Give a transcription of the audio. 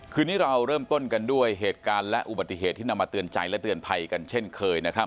คืนนี้เราเริ่มต้นกันด้วยเหตุการณ์และอุบัติเหตุที่นำมาเตือนใจและเตือนภัยกันเช่นเคยนะครับ